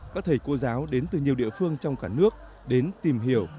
các thầy cô giáo đến từ nhiều địa phương trong cả nước đến tìm hiểu